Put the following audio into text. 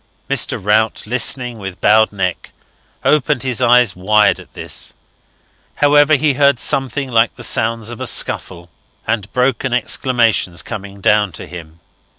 Mr. Rout, listening with bowed neck, opened his eyes wide at this. However, he heard something like the sounds of a scuffle and broken exclamations coming down to him.